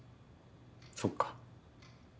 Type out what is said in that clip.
そっか。